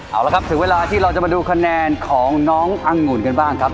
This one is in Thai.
เอาละครับถึงเวลาที่เราจะมาดูคะแนนของน้องอังุ่นกันบ้างครับ